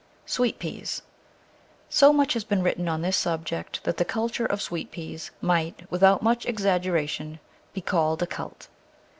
Sweet peas SO much has been written on this subject that the culture of Sweet peas might, without much ex aggeration, be called a cult.